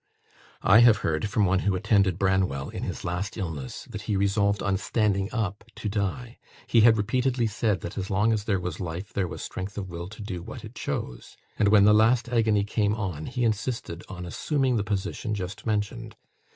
I have heard, from one who attended Branwell in his last illness, that he resolved on standing up to die. He had repeatedly said, that as long as there was life there was strength of will to do what it chose; and when the last agony came on, he insisted on assuming the position just mentioned.